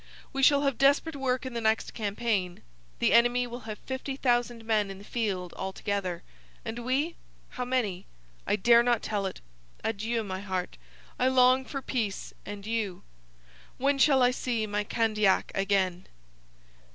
We shall have desperate work in the next campaign. The enemy will have 50,000 men in the field, all together; and we, how many? I dare not tell it. Adieu, my heart, I long for peace and you. When shall I see my Candiac again?'